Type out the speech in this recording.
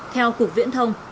theo cục viễn thông